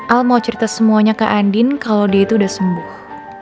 al mau cerita semuanya ke andi kalo dia tuh udah sembuh